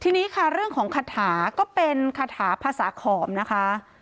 ทีนี้ค่ะเรื่องของคาถาก็เป็นคาถาภาษาขอมนะคะ